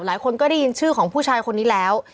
หลายคนก็ได้ยินชื่อของผู้ชายคนนี้แล้ว